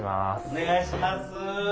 お願いします。